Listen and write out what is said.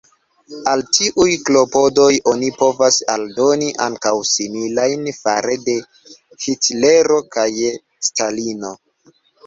Al tiuj klopodoj oni povos aldoni ankaŭ similajn fare de Hitlero kaj Stalino.